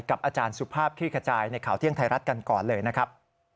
อาจารย์สุภาพคลี่ขจายในข่าวเที่ยงไทยรัฐกันก่อนเลยนะครับ